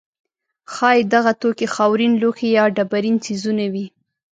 ښایي دغه توکي خاورین لوښي یا ډبرین څیزونه وي.